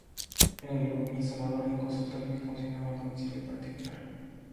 N. Luque, instalaron un consultorio que funcionó en el domicilio particular.